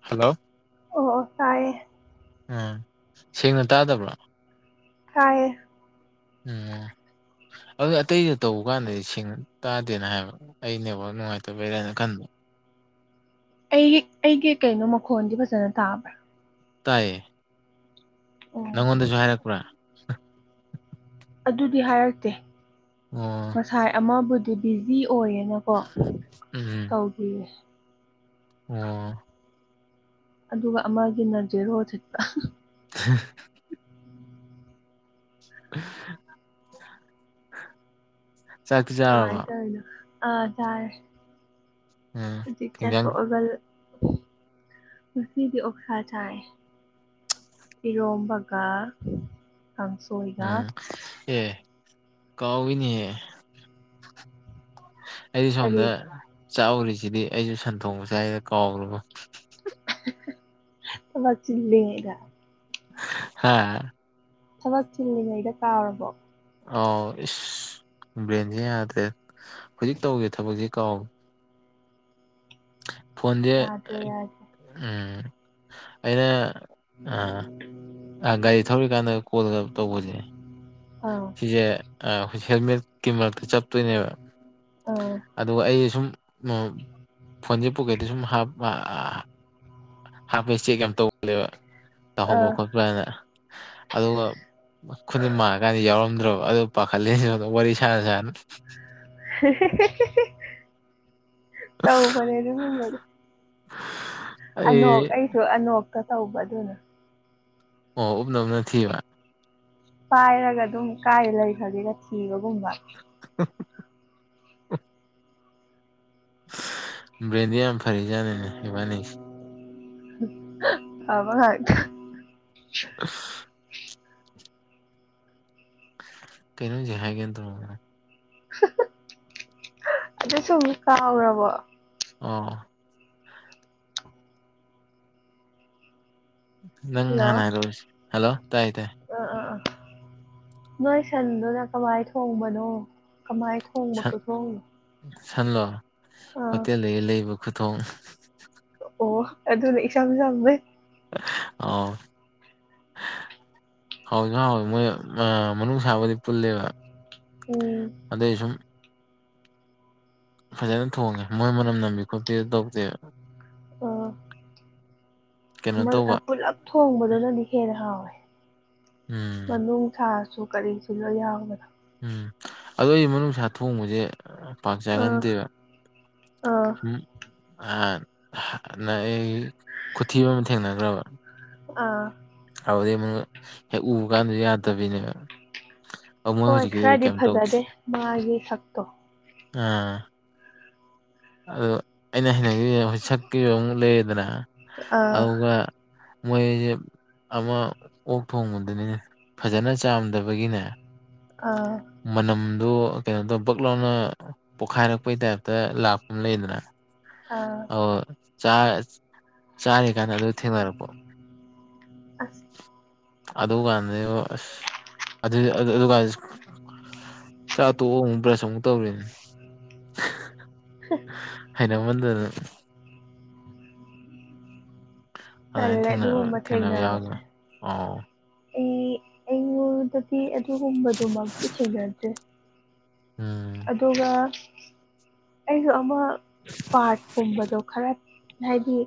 hello ꯑꯣ ꯇꯥꯏꯌꯦ ꯎꯝ ꯁꯦꯡꯅ ꯇꯥꯗꯕ꯭ꯔꯥ ꯇꯥꯏꯌꯦ ꯎꯝ ꯑꯗꯨ ꯑꯇꯩꯗ ꯇꯧꯕ ꯀꯥꯟꯗꯗꯤ ꯁꯦꯡꯅ ꯇꯥꯗꯦꯅ ꯍꯥꯏꯕ ꯑꯩꯅꯦꯕ ꯅꯨꯡꯉꯥꯏꯇꯕꯔꯦꯅ ꯈꯟꯕ ꯑꯩꯒꯤ ꯑꯩꯒꯤ ꯀꯩꯅꯣ ꯃꯈꯣꯟꯗꯤ ꯐꯖꯅ ꯇꯥꯕ꯭ꯔꯥ ꯇꯥꯏꯌꯦ ꯑꯣ ꯅꯪꯉꯣꯟꯗꯁꯨ ꯍꯥꯏꯔꯛꯄ꯭ꯔꯥ ꯑꯗꯨꯗꯤ ꯍꯥꯏꯔꯛꯇꯦ ꯑꯣ ꯉꯁꯥꯏ ꯑꯃꯕꯨꯗꯤ ꯕꯤꯖꯤ ꯑꯣꯏꯌꯦꯅꯀꯣ ꯎꯝ ꯇꯧꯕꯤꯌꯦ ꯑꯣ ꯑꯗꯨꯒ ꯑꯃꯒꯤꯅ ꯖꯦꯔꯣ ꯁꯤꯠꯄ ꯍ [inaudible] ꯆꯥꯔꯕ ꯀꯃꯥꯏꯅ ꯑ ꯇꯔꯦ ꯎꯝ ꯍꯧꯖꯤꯛ ꯍꯤꯟꯖꯥꯡ ꯆꯥꯊꯣꯛꯑꯒ ꯉꯁꯤꯗꯤ ꯑꯣꯁꯥ ꯆꯥꯏ ꯏꯔꯣꯝꯕꯒ ꯀꯥꯡ ꯎꯝ ꯑꯦ ꯀꯥꯎꯏꯅꯤꯍꯦ ꯑꯩꯗꯤ ꯁꯣꯝꯗ ꯀꯔꯤ ꯆꯥꯛꯎꯔꯤꯁꯤꯗꯤ ꯑꯩꯁꯨ ꯁꯟꯗꯣꯡꯕ ꯆꯥꯏꯕ ꯀꯥꯎꯔꯨꯕ ꯊꯕꯛ ꯆꯤꯟꯂꯤꯉꯩꯗ ꯍꯥ ꯊꯕꯛ ꯆꯤꯜꯂꯤꯉꯩꯗ ꯀꯥꯎꯔꯕꯣ ꯑꯥꯎ ꯏꯁ ꯄ꯭ꯂꯦꯟꯁꯦ ꯌꯥꯗ꯭ꯔꯦ ꯍꯧꯖꯤꯛ ꯇꯧꯒꯤꯕ ꯊꯕꯛꯁꯦ ꯀꯥꯎꯑꯦ ꯐꯣꯟꯁꯦ ꯌꯥꯗ꯭ꯔꯦ ꯌꯥꯗ꯭ꯔꯦ ꯎꯝ ꯑꯩꯅ ꯑꯥ ꯒꯥꯔꯤ ꯊꯧꯔꯤꯀꯥꯟꯗ ꯀꯣꯜꯒ ꯇꯧꯕꯁꯤꯅꯦ ꯑꯥ ꯁꯤꯁꯦ ꯑꯩꯈꯣꯏ ꯍꯦꯜꯃꯦꯠꯀꯤ ꯃꯔꯛꯇ ꯆꯠꯇꯣꯏꯅꯦꯕ ꯑꯥ ꯑꯗꯨꯒ ꯑꯩ ꯁꯨꯝ ꯐꯣꯟꯁꯦ ꯄꯨꯀꯩꯗ ꯁꯨꯝ ꯍꯥ ꯍꯥꯞꯄꯁ ꯆꯦꯛ ꯌꯥꯝ ꯇꯧꯕꯒꯜꯂꯦꯕ ꯇꯧꯍꯧꯕ ꯑꯥ ꯈꯣꯠꯄ ꯍꯥꯏꯅ ꯑꯗꯨꯒ ꯈꯨꯟꯗꯤ ꯃꯥꯡꯉꯀꯥꯟꯗ ꯌꯥꯎꯔꯝꯗ꯭ꯔꯕ ꯑꯗꯨ ꯄꯥꯈꯠꯂꯁꯤ ꯋꯥꯔꯤ ꯁꯥꯅ ꯁꯥꯅ ꯇꯧꯕꯅꯦ ꯑꯗꯨꯒꯨꯝꯕ [inaudible] ꯑꯅꯣꯛ ꯑꯩꯁꯨ ꯑꯅꯣꯛꯀ ꯇꯧꯕꯗꯨꯅ ꯑꯣ ꯎꯞꯅ ꯎꯞꯅ ꯊꯤꯕ ꯄꯥꯏꯔꯒ ꯑꯗꯨꯝ ꯀꯥꯏꯔ ꯂꯩꯈ꯭ꯔꯒꯦꯒ ꯊꯤꯕꯒꯨꯝꯕ [inaudible] ꯕꯦꯟꯗꯤꯌꯥꯝ ꯐꯔꯤꯖꯅꯤꯅꯦ ꯏꯕꯅꯤ ꯑꯕ ꯍꯥꯏꯠꯇ ꯑ ꯀꯩꯅꯣꯖꯤꯦ ꯍꯥꯏꯒꯦ ꯇ ꯑꯗꯨꯁꯨꯨꯝ ꯀꯥꯎꯔꯕꯣ ꯑ ꯅꯪ ꯍꯜꯂꯣ ꯍꯅꯥꯥꯏꯔꯣ ꯍꯂꯣ ꯇꯥꯏ ꯇꯥꯏ ꯑꯥ ꯑꯥ ꯑꯥ ꯅꯣꯏ ꯁꯟꯗꯨꯅ ꯀꯃꯥꯏ ꯊꯣꯡꯕꯅꯣ ꯀꯃꯥꯏꯅ ꯁꯟ ꯊꯣꯡꯕꯀꯣ ꯊꯣꯡꯏꯤ ꯁꯟꯂꯣ ꯍꯣꯇꯦꯜꯗꯒꯤ ꯂꯩꯕ ꯈꯨꯊꯣꯡ ꯑꯣ ꯑꯗꯨꯅꯦ ꯏꯁꯝ ꯁꯝꯃꯦ ꯑ ꯍꯥꯎꯤ ꯍꯥꯎꯋꯤ ꯃꯣꯏ ꯃꯅꯨꯡ ꯁꯥꯕꯗꯤ ꯄꯨꯜꯂꯦꯕ ꯎꯝ ꯑꯗꯁꯝ ꯐꯖꯅ ꯊꯣꯡꯉꯦ ꯃꯣꯏ ꯃꯅꯝ ꯅꯝꯕꯤ ꯈꯣꯠꯄꯤ ꯑꯗꯨ ꯇꯧꯗꯦ ꯀꯩꯅꯣ ꯇꯧꯕ ꯄꯨꯂꯞ ꯊꯣꯡꯕꯗꯨꯅꯗꯤ ꯍꯦꯟꯅ ꯍꯥꯎꯋꯦ ꯎꯝ ꯃꯅꯨꯡ ꯊꯥꯁꯨ ꯀꯔꯤꯁꯤꯂꯣ ꯌꯥꯎꯕꯅꯣ ꯎꯝ ꯑꯗꯣ ꯑꯩ ꯃꯅꯨꯡꯅꯨꯡꯁꯥ ꯊꯣꯡꯕꯁꯦ ꯄꯥꯛ ꯑꯥ ꯆꯒꯗꯕ ꯑꯥ ꯑ ꯅ ꯑꯩ ꯈꯨꯊꯤꯕ ꯑꯃ ꯊꯦꯡꯅꯈ꯭ꯔꯕ ꯑꯥ ꯍꯥꯎꯗ ꯍꯦꯛ ꯎꯕ ꯀꯥꯟꯗ ꯌꯥꯗꯕꯤꯅꯦꯕ ꯑꯗꯨ ꯃꯣꯏ ꯍꯣꯏ ꯍꯧꯖꯤꯛꯀꯤꯗꯤ ꯈꯔꯗꯤ ꯀꯩꯝ ꯇꯧꯗꯦ ꯐꯖꯗꯦ ꯃꯥꯒꯤ ꯁꯛꯇꯣ ꯑꯥ ꯑꯗꯨ ꯑꯩꯅ ꯍꯩꯅꯈꯤꯕꯗ ꯍꯧꯖꯤꯛ ꯁꯛꯈꯤꯕ ꯑꯃꯨꯛ ꯂꯩꯌꯦꯗꯅ ꯑꯥ ꯑꯗꯨꯒ ꯃꯣꯏꯦ ꯑꯃ ꯑꯣꯛ ꯊꯣꯡꯕꯗꯨꯅꯤꯅꯦ ꯐꯖꯅ ꯆꯥꯝꯗꯕꯒꯤꯅꯦ ꯑꯥ ꯃꯅꯝꯗꯨ ꯀꯩꯅꯣꯗꯣ ꯕꯛ ꯂꯥꯎꯅ ꯄꯣꯈꯥꯏꯔꯛꯄꯩ ꯇꯥꯏꯞꯇ ꯂꯥꯛꯄ ꯑꯃ ꯂꯩꯗꯅ ꯑꯥ ꯑꯣ ꯆꯥꯔꯤ ꯀꯥꯟꯗ ꯑꯗꯨ ꯊꯦꯡꯅꯔꯛꯄ ꯑ ꯑꯗꯨ ꯀꯥꯟꯗ ꯑꯁ ꯑꯗꯨꯥꯟ ꯆꯥ ꯇꯣꯛ ꯑꯃꯨꯛꯕ꯭ꯔꯁ ꯑꯃꯨꯛ ꯇꯧꯔꯤꯅꯦ ꯍꯥꯏꯅ ꯑꯃꯟꯗꯗꯅ ꯇꯜꯂꯦ ꯑꯗꯨꯃꯥꯏꯅ ꯑꯗꯨꯒꯨꯝꯕ ꯊꯦꯡꯅꯕ ꯌꯥꯒ꯭ꯔ ꯊꯦꯡꯅꯕꯁꯦ ꯑ ꯑꯩ ꯑꯩꯉꯗꯗꯤ ꯑꯗꯨ ꯍꯨꯝꯕꯗꯨꯃꯤ ꯊꯦꯡꯒꯁꯦ ꯎꯝ ꯑꯗꯨꯒ ꯑꯩꯁꯨ ꯑꯃ ꯄꯥꯔꯠꯀꯨꯝꯕꯗꯣ ꯈꯔ ꯍꯥꯏꯗꯤ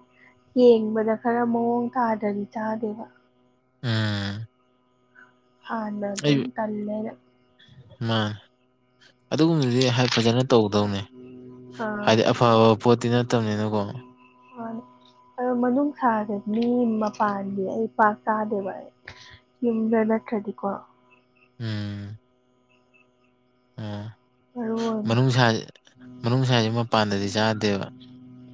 ꯌꯦꯡꯕꯗ ꯈꯔ ꯃꯑꯣꯡ ꯇꯥꯗ꯭ꯔꯗꯤ ꯆꯥꯗꯦꯕ ꯎꯝ ꯐꯅꯒꯨꯝ ꯇꯂꯩꯅ ꯃꯥ ꯑꯗꯨꯒꯨꯝꯕꯗꯤ ꯐꯖꯅ ꯇꯧꯒꯗꯧꯅꯤ ꯑꯥ ꯍꯥꯏꯗꯤ ꯑꯐꯕ ꯄꯣꯠꯇꯤ ꯅꯠꯇꯕꯅꯤꯅꯀꯣ ꯍ ꯑ ꯃꯅꯨꯡ ꯁꯥꯔꯦ ꯃꯤ ꯃꯄꯥꯟꯒꯤ ꯑꯩ ꯄꯥꯛ ꯀꯥꯗꯦꯕ ꯑꯩ ꯌ ꯂꯩ ꯅꯠꯇ꯭ꯔꯗꯤꯀꯣ ꯎꯝ ꯑꯣ ꯃꯔꯨ ꯑꯣꯏꯅ ꯃꯅꯨꯡꯁꯥ ꯃꯅꯨꯡꯁꯥ ꯍꯥꯏꯁꯦ ꯃꯄꯥꯟꯗꯗꯤ ꯆꯥꯗꯦꯕ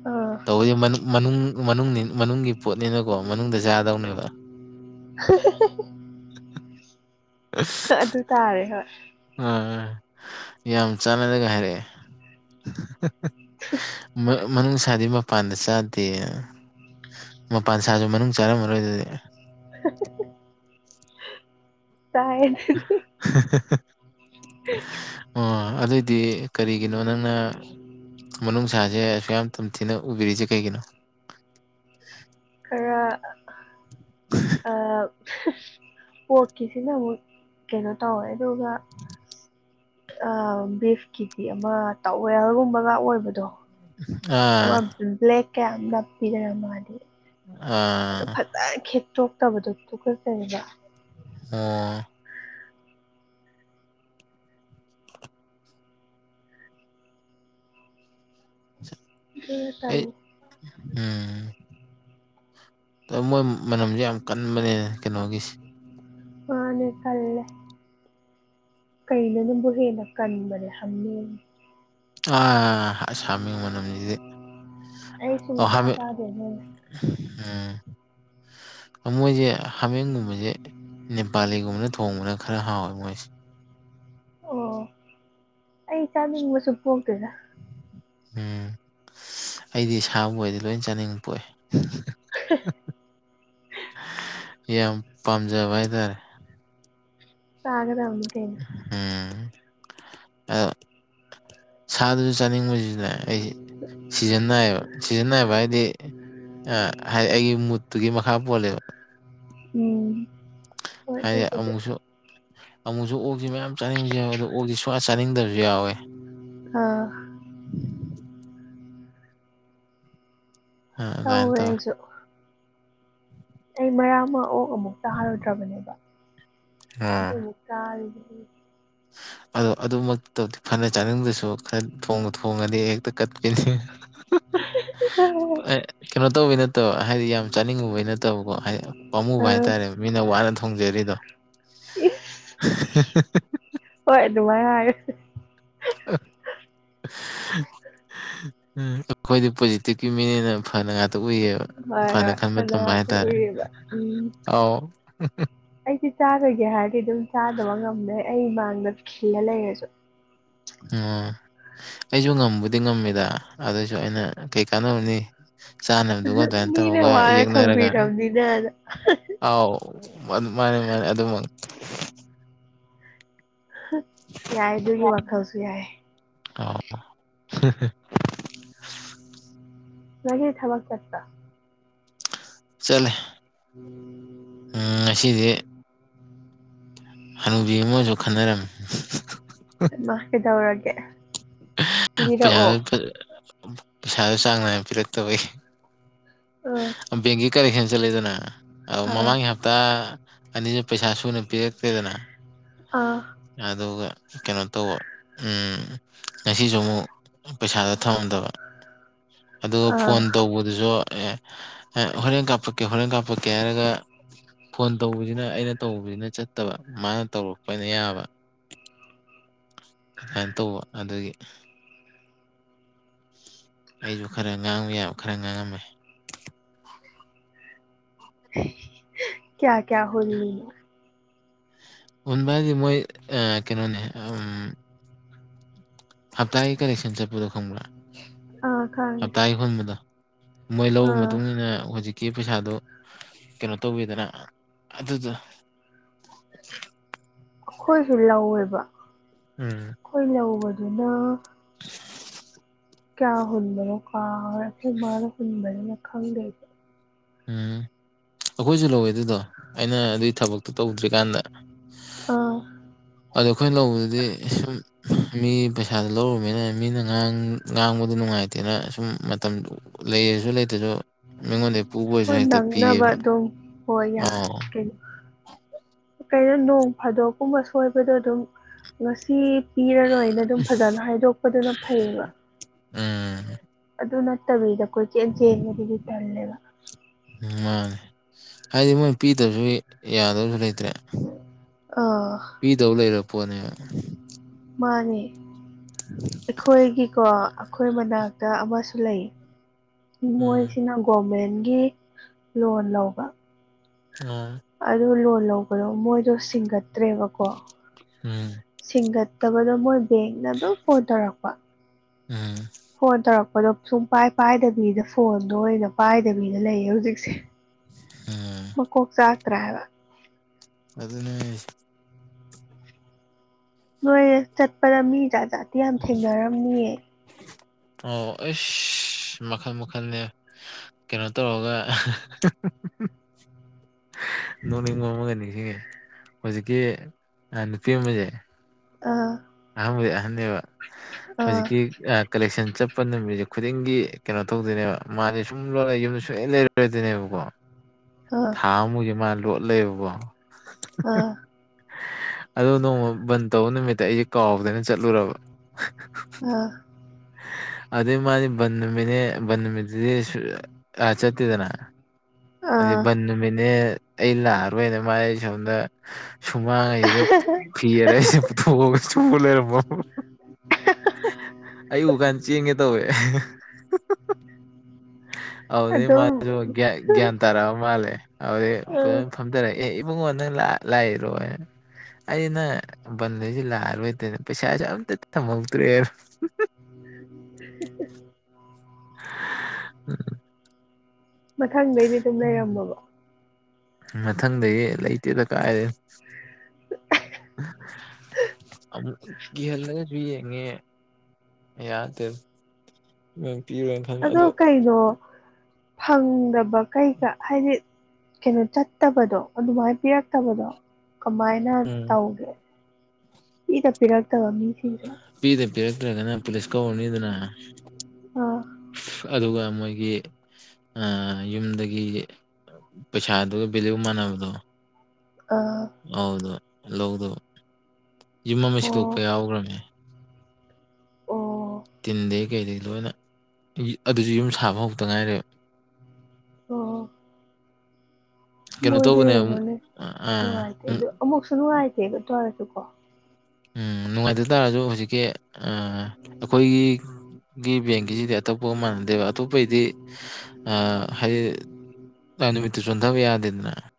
ꯑꯥ ꯇꯧꯕꯗꯤ ꯃꯅꯨꯡ ꯃꯅꯨꯡ ꯃꯅꯨꯡꯒꯤ ꯄꯣꯠꯅꯤꯅꯀꯣ ꯃꯅꯨꯡꯗ ꯆꯥꯗꯧꯅꯦꯕ [unintelligible] ꯑꯁ ꯑꯗꯨ ꯇꯥꯔꯦ ꯍꯣꯏ ꯑꯥ ꯌꯥꯝ ꯆꯥꯟꯅꯅꯒ ꯍꯥꯏꯔꯛꯑꯦ [unintelligible] ꯃꯅꯨꯡ ꯁꯥꯗꯤ ꯃꯄꯥꯟꯗ ꯆꯥꯗꯦ ꯃꯄꯥꯟ ꯁꯥꯁꯨ ꯃꯅꯨꯡ ꯆꯥꯔꯝꯃꯔꯣꯏ ꯑꯗꯨꯗꯤ [unintelligible] ꯆꯥꯏꯑꯦ [unintelligible] [unintelligible] ꯑꯣ ꯑꯗꯨꯑꯣꯏꯗꯤ ꯀꯔꯤꯒꯤꯅꯣ ꯅꯪꯅ ꯃꯅꯨꯡꯁꯥꯁꯦ ꯑꯁꯨꯛ ꯌꯥꯝ ꯇꯝꯊꯤꯅ ꯎꯕꯤꯔꯤꯁꯦ ꯀꯩꯒꯤꯅꯣ ꯈꯔ ꯑ ꯄꯣꯛꯀꯤꯁꯤꯅ ꯑꯃꯨꯛ ꯀꯩꯅꯣ ꯇꯧꯋꯦ ꯑꯗꯨꯒ ꯑ ꯕꯤꯐꯀꯤꯗꯤ ꯑꯃ ꯇꯋꯦꯜꯒꯨꯝꯕꯒ ꯑꯣꯏꯕꯗꯣ ꯑꯥ ꯑꯃ ꯕ꯭ꯂꯦꯛ ꯀ ꯌꯥꯝ ꯅꯞ ꯄꯤꯗꯅ ꯃꯥꯗꯤ ꯑ [unintelligible] ꯈꯦꯠꯇꯣꯛꯇꯕꯗꯣ ꯊꯨꯀꯠꯆꯩꯕ ꯑꯣ [inaudible] ꯑꯩ [unintelligible] ꯎꯝ [unintelligible] ꯃꯣꯏ ꯃꯅꯝꯁꯦ ꯌꯥꯝ ꯀꯟꯕꯅꯤꯅꯦ ꯀꯩꯅꯣꯒꯤꯁꯦ ꯋꯥꯅꯦ ꯀꯟꯂꯦ ꯀꯩꯅꯣꯅꯕꯨ ꯍꯦꯟꯅ ꯀꯟꯕꯅꯦ ꯍꯃꯦꯡꯅ ꯑꯥ ꯑꯁ ꯍꯃꯦꯡ ꯃꯅꯝꯁꯤꯗꯤ ꯑꯩ ꯑꯣ ꯁꯨꯡꯆꯥ ꯍꯥꯃꯦꯡ ꯆꯥꯗꯦ ꯑꯗꯨꯅ ꯎꯝ ꯃꯣꯏꯁꯦ ꯍꯥꯃꯦꯡꯒꯨꯝꯕꯁꯦ ꯅꯦꯄꯥꯂꯤꯒꯨꯝꯕꯅ ꯊꯣꯡꯕꯅ ꯈꯔ ꯍꯥꯎꯋꯦ ꯃꯣꯏꯁꯦ ꯑꯣ ꯑꯩ ꯆꯥꯅꯤꯡꯕꯁꯨ ꯄꯣꯛꯇꯦꯗ ꯎꯝ ꯑꯩꯗꯤ ꯁꯥꯕꯨ ꯑꯣꯏꯗꯤ ꯂꯣꯏ ꯆꯥꯅꯤꯡꯕ ꯄꯣꯛꯑꯦ [unintelligible] ꯌꯥꯝ ꯄꯥꯝꯖꯕ ꯍꯥꯏꯇꯥꯔꯦ ꯆꯥꯒꯗꯕꯅꯤ ꯀꯩꯅꯣ ꯎꯝ ꯑꯗꯣ ꯁꯥꯗꯁꯨ ꯆꯥꯅꯤꯡꯕꯁꯤꯗ ꯑꯩꯁꯤ ꯁꯤꯖꯟ ꯅꯥꯏꯌꯦꯕ ꯁꯤꯖꯟ ꯅꯥꯏꯕ ꯍꯥꯏꯗꯤ ꯑ ꯍꯥꯏꯗꯤ ꯑꯩꯒꯤ ꯃꯨꯠꯇꯨꯒꯤ ꯃꯈꯥ ꯄꯣꯜꯂꯦꯕ ꯎꯝ ꯍꯣꯏ ꯍꯥꯏꯗꯤ ꯑꯗꯨꯕꯨꯗꯤ ꯑꯃꯨꯛꯁꯨ ꯑꯃꯨꯛꯁꯨ ꯑꯣꯛꯁꯤ ꯃꯌꯥꯝ ꯆꯥꯅꯤꯡꯕꯁꯨ ꯌꯥꯎꯋꯦ ꯑꯗꯣ ꯑꯣꯛꯁꯦ ꯁꯨꯡꯆꯥ ꯆꯥꯅꯤꯡꯗꯕꯁꯨ ꯌꯥꯎꯋꯦ ꯑꯥ [unintelligible] ꯑ ꯑꯥꯗꯨꯃꯥꯏ ꯇꯧꯋꯦ ꯇꯧꯏ ꯑꯩꯁꯨ ꯑꯩ ꯃꯔꯛ ꯑꯃ ꯑꯣꯛ ꯑꯃꯨꯛ ꯆꯥꯔꯨꯗ꯭ꯔꯕꯅꯦꯕ ꯑꯗꯨ ꯑꯃꯨꯛ ꯆꯥꯔꯤꯅꯤ ꯑꯣ ꯑꯗꯨꯃꯛꯇꯤ ꯇꯧꯗꯦ ꯐꯅ ꯆꯥꯅꯤꯡꯗ꯭ꯔꯁꯨ ꯈꯔ ꯊꯣꯡꯕꯨ ꯊꯣꯡꯉꯗꯤ ꯍꯦꯛꯇ ꯑ [unintelligible] ꯀꯩꯅꯣ ꯇꯧꯕꯩ ꯅꯠꯇꯕ ꯍꯥꯏꯗꯤ ꯌꯥꯝ ꯆꯥꯅꯤꯡꯉꯨꯕꯩ ꯅꯠꯇꯕꯀꯣ ꯍꯥꯏꯗꯤ ꯄꯥꯝꯃꯨꯕ ꯍꯥꯏꯇꯥꯔꯦ ꯃꯤꯅ ꯋꯥꯅ ꯊꯣꯡꯖꯔꯤꯗꯣ ꯏꯁ [unintelligible] ꯍꯣꯏ ꯑꯗꯨꯃꯥꯏ ꯍꯥꯏꯌꯨ ꯎꯝ ꯑꯩꯈꯣꯏꯗꯤ ꯄꯣꯖꯤꯇꯤꯕꯀꯤ ꯃꯤꯅꯦꯅ ꯐꯅ ꯉꯥꯛꯇ ꯎꯏꯌꯦꯕ ꯍꯣꯏ ꯐꯅ ꯈꯟꯕ ꯍꯣꯏ ꯇꯝꯕ ꯑꯗꯨ ꯍꯥꯏꯇꯥꯔꯦ ꯎꯏꯌꯦꯕ ꯑꯥꯎ ꯑꯩꯁꯦ ꯆꯥꯗꯣꯏꯒꯦ ꯍꯥꯏꯔꯗꯤ ꯑꯗꯨꯝ ꯆꯥꯗꯕ ꯉꯝꯃꯦ ꯑꯩ ꯃꯥꯡꯗ ꯜꯂ ꯂꯩꯔꯁꯨ ꯑꯣ ꯑꯩꯁꯨ ꯉꯝꯕꯨꯗꯤ ꯉꯝꯃꯤꯗ ꯑꯗꯨꯁꯨ ꯑꯩꯅ ꯀꯩ ꯀꯥꯟꯅꯕꯅꯤ ꯆꯥꯅꯕꯗꯨꯒ ꯑꯗꯨꯃꯥꯏꯅ ꯃꯤꯅ ꯇꯧꯔꯒ ꯋꯥꯅ ꯌꯦꯛꯅꯔꯒ ꯊꯣꯡꯕꯤꯔꯕꯅꯤꯅ ꯑꯥꯎ ꯃꯥꯅꯦ ꯃꯥꯅꯦ ꯑꯗꯨꯃꯛ ꯌꯥꯏ ꯑꯗꯨꯒꯤ ꯋꯥꯈꯜꯁꯨ ꯌꯥꯏ [unintelligible] [unintelligible] ꯊꯕꯥꯛ ꯆꯠꯄꯔꯥ ꯆꯠꯂꯦ ꯎꯝ ꯉꯁꯤꯗꯤ ꯍꯅꯨꯕꯤ ꯑꯃꯁꯨ ꯈꯠꯅꯔꯝꯃꯤ ꯃꯥ ꯀꯗꯧꯔꯒꯦ ꯄꯩꯁꯥ ꯄꯩ ꯄꯩꯁꯥꯗ ꯆꯥꯡ ꯅꯥꯏꯅ ꯄꯤꯔꯛꯇꯕꯒꯤ ꯑ ꯕꯦꯡꯒꯤ ꯀꯔꯦꯛꯁꯟ ꯆꯠꯂꯦꯗꯅ ꯑꯗ ꯑꯥ ꯃꯃꯥꯡꯒꯤ ꯍꯞꯇꯥ ꯑꯅꯤꯁꯤꯅ ꯄꯩꯁꯥ ꯁꯨꯅ ꯄꯤꯔꯛꯇꯦꯗꯅ ꯑꯥ ꯑꯗꯨꯒ ꯀꯩꯅꯣ ꯇꯧꯕ ꯎꯝ ꯉꯁꯤꯁꯨ ꯑꯃꯨꯛ ꯄꯩꯁꯥꯗ ꯊꯃꯥꯝꯗꯕ ꯑꯗꯨꯒ ꯑꯥ ꯐꯣꯟ ꯇꯧꯕꯗꯨꯁꯨ ꯑꯦ ꯍꯣꯔꯦꯟ ꯀꯥꯞꯄꯛꯀꯦ ꯍꯣꯔꯦꯟ ꯀꯥꯞꯄꯛꯀꯦ ꯍꯥꯏꯔꯒ ꯐꯣꯟ ꯇꯧꯕꯁꯤꯅ ꯑꯩꯅ ꯇꯧꯕꯁꯤꯅ ꯆꯠꯇꯕ ꯃꯥꯅ ꯇꯧꯔꯛꯄꯅ ꯌꯥꯕ ꯑꯗꯏꯟ ꯇꯧꯕ ꯑꯗꯨꯒꯤ ꯑꯩꯁꯨ ꯈꯔ ꯉꯥꯡꯕ ꯌꯥꯕ ꯈꯔ ꯉꯥꯡꯉꯝꯃꯦ [inaudible] ꯀꯌꯥ ꯀꯌꯥ ꯍꯨꯜꯂꯤ ꯍꯟꯕ ꯍꯥꯏꯗꯤ ꯃꯣꯏ ꯀꯩꯅꯣꯅꯦ ꯍꯞꯇꯥꯒꯤ ꯀꯂꯦꯛꯁꯟ ꯆꯠꯄꯗꯣ ꯈꯪꯕ꯭ꯔꯥ ꯑꯥ ꯈꯪꯉꯦ ꯍꯞꯇꯥꯒꯤ ꯍꯨꯟꯕꯗꯣ ꯃꯣꯏ ꯂꯧꯕꯩ ꯑꯥ ꯃꯇꯨꯡꯏꯟꯅ ꯍꯧꯖꯤꯛ ꯀꯤ ꯄꯩꯁꯥꯗꯨ ꯀꯩꯅꯣ ꯇꯧꯕꯤꯗꯅ ꯑꯗꯨꯗ ꯑꯩꯈꯣꯏꯁꯨ ꯂꯧꯋꯦꯕ ꯎꯝ ꯑꯩꯈꯣꯏ ꯂꯧꯕꯗꯨꯅ ꯀꯌꯥ ꯍꯨꯟꯕꯅꯣ ꯀꯥꯎꯒꯔꯦ ꯈꯣꯏ ꯃꯅꯥ ꯍꯨꯟꯕꯅꯤꯅꯥ ꯈꯪꯗꯦ ꯎꯝ ꯑꯩꯈꯣꯏꯁꯨ ꯂꯧꯋꯦ ꯑꯗꯨꯗꯣ ꯑꯩꯅ ꯑꯗꯨꯒꯤ ꯊꯕꯛꯇꯣ ꯇꯧꯗ꯭ꯔꯤꯀꯥꯟꯗ ꯑ ꯑꯗꯣ ꯑꯩꯈꯣꯏꯅ ꯂꯧꯕꯗꯗꯤ ꯁꯨꯝ ꯃꯤ ꯄꯩꯁꯥꯗꯨ ꯂꯧꯔꯨꯃꯤꯅ ꯃꯤꯅ ꯉꯥꯡꯕꯗꯨ ꯅꯨꯡꯉꯥꯏꯇꯦꯅ ꯁꯨꯝ ꯃꯇꯝꯗꯨ ꯂꯩꯔꯁꯨ ꯂꯩꯇꯁꯨ ꯃꯤꯉꯣꯟꯗ ꯍꯣ ꯅꯪꯅꯕ ꯑꯗꯨꯝ ꯍꯣꯏ ꯌꯥ ꯑꯥꯎ ꯀꯩꯅꯣ ꯅꯣꯡ ꯐꯥꯗꯣꯛꯀꯨꯝꯕ ꯁꯣꯏꯕꯗꯣ ꯑꯗꯨꯝ ꯉꯁꯤ ꯄꯤꯔꯥꯔꯣꯏꯅ ꯑꯗꯨꯝ ꯐꯖꯅ ꯍꯥꯏꯗꯣꯛꯄꯗꯨꯅ ꯐꯩꯌꯦꯕ ꯎꯝ ꯑꯗꯨ ꯅꯠꯇꯕꯤꯗ ꯀꯣꯏ ꯆꯦꯟ ꯆꯦꯟꯕꯗꯨꯗꯤ ꯇꯜꯂꯦꯕ ꯃꯥꯅꯦ ꯍꯥꯏꯗꯤ ꯃꯣꯏ ꯄꯤꯗꯕꯁꯨ ꯌꯥꯗꯧꯁꯨ ꯂꯩꯇ꯭ꯔꯦ ꯑꯥ ꯄꯤꯗꯧ ꯂꯩꯔ ꯄꯣꯠꯅꯦ ꯃꯥꯅꯤ [inaudible] ꯑꯩꯈꯣꯏꯒꯤꯀꯣ ꯑꯩꯈꯣꯏ ꯃꯅꯥꯛꯇ ꯑꯃꯁꯨ ꯂꯩ ꯎꯝ ꯃꯣꯏꯁꯤꯅ ꯒꯣꯔꯃꯦꯟꯒꯤ ꯂꯣꯟ ꯂꯧꯕ ꯎꯝ ꯑꯗꯨ ꯂꯣꯟ ꯂꯧꯕꯗꯣ ꯃꯣꯏꯗꯣ ꯁꯤꯡꯒꯠꯇ꯭ꯔꯦꯕꯀꯣ ꯎꯝ ꯁꯤꯡꯒꯠꯇꯕꯗꯣ ꯃꯣꯏ ꯕꯦꯡꯅ ꯑꯗꯨꯝ ꯐꯣꯟ ꯇꯧꯔꯛꯄ ꯎꯝ ꯐꯣꯟ ꯇꯧꯔꯛꯄꯗꯣ ꯁꯨꯡ ꯄꯥꯏ ꯄꯥꯏꯗꯕꯤꯗ ꯐꯣꯟꯗꯣ ꯑꯣꯏꯅ ꯄꯥꯏꯗꯕꯤꯗ ꯂꯩꯌꯦ ꯍꯧꯖꯤꯛꯁꯤ ꯎꯝ ꯃꯀꯣꯛ ꯆꯥꯛꯇꯔꯥ ꯍꯥꯏꯕ ꯑꯗꯨꯅꯦ ꯅꯣꯏ ꯆꯠꯄꯗ ꯃꯤ ꯖꯥꯠ ꯖꯥꯠꯇꯤ ꯌꯥꯝ ꯊꯦꯡꯅꯔꯝꯅꯤꯌꯦ ꯑꯣ ꯑꯁ ꯃꯈꯜ ꯃꯈꯜꯅꯦ ꯀꯩꯅꯣ ꯇꯧꯔꯒ ꯅꯣꯛꯅꯤꯡꯕ ꯑꯃꯒ ꯅꯤꯡꯁꯤꯡꯉꯦ ꯍꯧꯖꯤꯛꯀꯤ ꯅꯨꯄꯤ [unintelligible] ꯑꯥ ꯑꯍꯟꯕꯨꯗꯤ ꯑꯍꯟꯅꯦꯕ ꯑꯥ ꯍꯧꯖꯤꯛꯀꯤ ꯀꯂꯦꯛꯁꯟ ꯆꯠꯄ ꯅꯨꯃꯤ ꯈꯨꯗꯤꯡꯒꯤ ꯀꯩꯅꯣ ꯇꯧꯗꯣꯏꯅꯦꯕ ꯃꯥꯗꯤ ꯁꯨꯝ ꯂꯣꯟꯅ ꯌꯨꯝꯗ ꯁꯨꯡꯂꯩ ꯂꯩꯔꯣꯏꯗꯤꯅꯦꯕꯀꯣ ꯊꯥ ꯑꯃꯃꯨꯛ ꯃꯥ ꯂꯣꯠꯂ ꯂꯩꯌꯦꯕꯀꯣ ꯑꯥ ꯑꯗꯣ ꯅꯣꯡꯃ ꯕꯟ ꯇꯧꯕ ꯅꯨꯃꯤꯠꯇ ꯑꯩꯁꯦ ꯀꯥꯎꯗꯅ ꯆꯠꯂꯨꯔꯕ ꯑꯥ ꯑꯗꯩꯩ ꯃꯥꯗꯤ ꯕꯟꯅꯨꯃꯤꯠꯅꯦ ꯕꯟꯅꯨꯃꯤꯠꯁꯤꯗꯤ ꯑꯥ ꯆꯠꯇꯦꯗꯅ ꯑꯥ ꯑꯗꯤ ꯑꯥ ꯕꯟ ꯅꯨꯃꯤꯠꯅꯦ ꯑꯩ ꯂꯥꯛꯑꯔꯣꯏꯅ ꯃꯥꯥꯏ ꯁꯣꯝꯗ ꯁꯨꯃꯥꯡꯑꯥꯏꯗ ꯄꯦꯔꯒ ꯁꯨꯛꯇꯣꯛꯑꯒ ꯁꯨꯛꯇꯣꯛ ꯂꯩꯔꯝꯕ ꯑꯩ ꯎꯀꯥꯟ ꯆꯦꯟꯒꯦ ꯇꯧꯋꯦ ꯑꯗꯨꯗꯩ ꯑꯗꯨꯝ ꯃꯥꯁꯨ ꯒ꯭ꯌꯥꯟ ꯒ꯭ꯌꯥꯟ ꯇꯥꯔꯛꯑ ꯃꯥꯜꯂꯦ ꯑꯗꯩꯩ ꯑꯥ ꯐꯖꯅ ꯐꯝꯊꯔꯛꯑꯦ ꯑꯦ ꯏꯕꯨꯡꯉꯣ ꯅꯪ ꯂ ꯂꯥꯛꯏꯔꯣ ꯑꯩꯅ ꯕꯟꯗꯗꯤ ꯂꯥꯛꯑꯔꯣꯏꯗꯅ ꯄꯩꯁꯥꯁꯦ ꯑꯝꯇ ꯊꯝꯍꯧꯗ꯭ꯔꯦ [unintelligible] [unintelligible] ꯃꯊꯪꯗꯩꯗꯤ ꯑꯗꯨꯝ ꯂꯩꯔꯝꯃꯕꯣ ꯃꯊꯪꯗꯒꯤ ꯂꯩꯇꯦꯗ ꯀꯥꯏꯗꯩꯩ [unintelligible] ꯑꯃꯨꯛ ꯀꯤꯍꯜꯂꯒꯁꯨ ꯌꯦꯡꯉꯦ ꯌꯥꯗꯦ ꯄꯤꯔꯣꯏꯅ ꯈꯪ ꯑꯗꯨ ꯗꯣ ꯐꯪꯗꯕ ꯀꯩꯀ ꯍꯥꯏꯗꯤ ꯀꯩꯅꯣ ꯆꯠꯇꯕꯗꯣ ꯑꯗꯨꯃꯥꯏꯅ ꯄꯤꯔꯛꯇꯕꯗꯣ ꯀꯃꯥꯏꯅ ꯎꯝ ꯇꯧꯒꯦ ꯄꯤꯗ ꯄꯤꯔꯛꯇꯕ ꯃꯤꯁꯤꯡꯁꯦ ꯄꯤꯗ ꯄꯤꯔꯛꯇ꯭ꯔꯒꯅ ꯄꯨꯂꯤꯁ ꯀꯧꯔꯅꯤꯗꯅ ꯑꯥ ꯑꯗꯨꯒ ꯃꯣꯏꯒꯤ ꯑꯥ ꯌꯨꯝꯗꯒꯤ ꯄꯩꯁꯥꯗꯨꯒ ꯚꯦꯂꯨ ꯃꯥꯟꯅꯕꯗꯣ ꯑꯥ ꯑꯧꯗ ꯂꯧꯗꯣ ꯌꯨꯝ ꯑꯃ ꯑꯣ ꯁꯤꯗꯣꯛꯄ ꯌꯥꯎꯒꯔꯝꯅꯦ ꯑꯣ ꯀꯩ ꯀꯩꯗꯒꯤ ꯂꯣꯏꯅ ꯑꯗꯨꯁꯨ ꯌꯨꯝ ꯁꯥꯕ ꯍꯧꯛꯇ ꯉꯥꯏꯔꯤꯕ ꯑꯣ ꯀꯩꯅꯣ ꯃꯣꯏꯗꯨ ꯇꯧꯕꯅꯦ ꯑꯃꯨꯛ ꯌꯦꯡꯉꯣꯅꯦ ꯑꯥ ꯅꯨꯡꯉꯥꯏꯇꯦ ꯎꯝ ꯑꯗꯨ ꯑꯃꯨꯛꯁꯨ ꯅꯨꯡꯉꯥꯏꯇꯦꯕ ꯇꯧꯔꯁꯨ ꯀꯣ ꯎꯝ ꯅꯨꯡꯉꯥꯏꯇ ꯇꯥꯔꯁꯨ ꯍꯧꯖꯤꯛꯀꯤ ꯑ ꯑꯩꯈꯣꯏꯒꯤ ꯒꯤ ꯕꯦꯡꯒꯤꯁꯤꯗꯤ ꯑꯇꯣꯞꯄ ꯃꯥꯟꯅꯗꯦꯕ ꯑꯇꯣꯞꯄꯩꯗꯤ ꯑ ꯍꯥꯏꯗꯤ ꯅꯨꯃꯤꯠꯇꯨ ꯆꯣꯟꯗꯕ ꯌꯥꯗꯦꯗꯅ